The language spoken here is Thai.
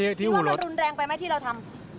คิดว่าเรารุนแรงไปไหมที่เราทำ